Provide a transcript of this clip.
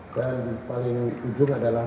dan paling ujung adalah